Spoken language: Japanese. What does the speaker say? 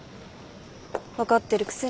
分かってるくせに。